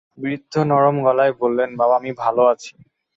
বৃদ্ধ নরম গলায় বললেন, বাবা, আমি ভালো আছি।